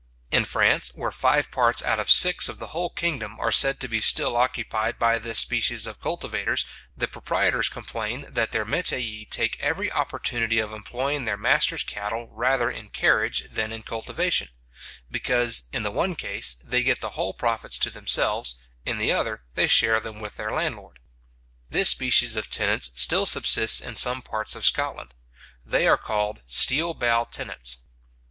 In France, where five parts out of six of the whole kingdom are said to be still occupied by this species of cultivators, the proprietors complain, that their metayers take every opportunity of employing their master's cattle rather in carriage than in cultivation; because, in the one case, they get the whole profits to themselves, in the other they share them with their landlord. This species of tenants still subsists in some parts of Scotland. They are called steel bow tenants.